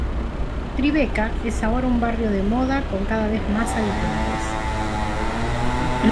Tribeca es ahora un barrio de moda con cada vez más habitantes.